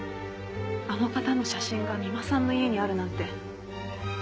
あの方の写真が三馬さんの家にあるなんて。